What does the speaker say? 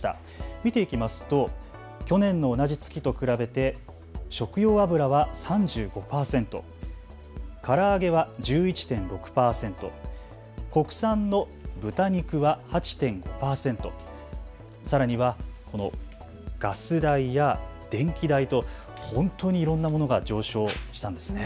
見ていきますと去年の同じ月と比べて食用油は３５％、から揚げは１１．６％、国産の豚肉は８．５％、さらにはガス代や電気代と本当にいろんなものが上昇したんですね。